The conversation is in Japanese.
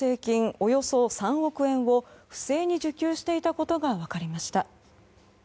およそ３億円を不正に受給していたことが分かりました。